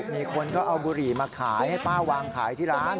มีคนก็เอาบุหรี่มาขายให้ป้าวางขายที่ร้าน